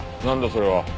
それは。